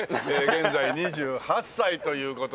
現在２８歳という事でね。